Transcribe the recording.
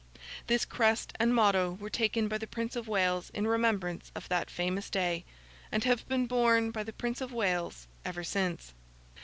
This crest and motto were taken by the Prince of Wales in remembrance of that famous day, and have been borne by the Prince of Wales ever since.